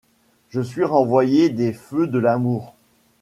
Je suis renvoyée des Feux de l'amour.